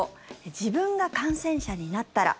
自分が感染者になったら。